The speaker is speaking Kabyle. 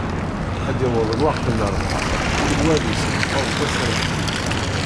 Ad d-yaweḍ lweqt n rrḥa, kul wa ad yessefqed tasraft-is.